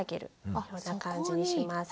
こんな感じにします。